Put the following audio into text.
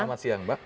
selamat siang mbak